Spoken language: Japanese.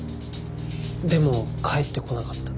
でも帰ってこなかった。